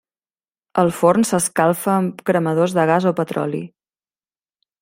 El forn s'escalfa amb cremadors de gas o petroli.